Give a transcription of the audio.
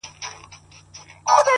• ستا د خولې سلام مي د زړه ور مات كړ،